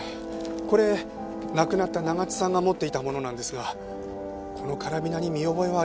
これ亡くなった長津さんが持っていたものなんですがこのカラビナに見覚えはありませんか？